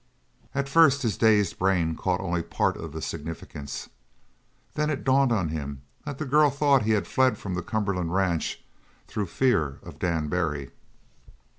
At first his dazed brain caught only part of the significance. Then it dawned on him that the girl thought he had fled from the Cumberland Ranch through fear of Dan Barry.